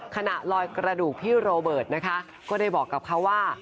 ขณะลอยกระดูกพี่โรเบิร์ตนะคะก็ได้บอกกับเขาว่า